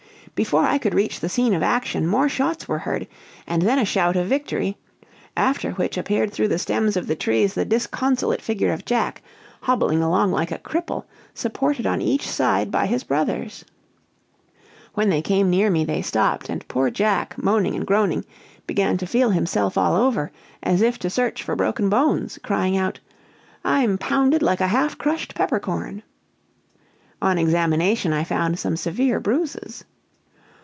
Before I could reach the scene of action, more shots were heard, and then a shout of victory; after which appeared through the stems of the trees the disconsolate figure of Jack, hobbling along like a cripple, supported on each side by his brothers. When they came near me they stopped; and poor Jack moaning and groaning, began to feel himself all over, as if to search for broken bones, crying out: "I'm pounded like a half crushed pepper corn!" On examination I found some severe bruises.